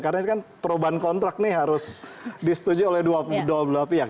karena kan perubahan kontrak nih harus disetujui oleh dua pihak